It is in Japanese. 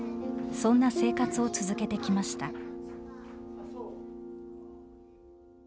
そんな生活を続けてきました。